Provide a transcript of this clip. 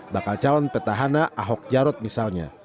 bakal calon petahana ahok jarot misalnya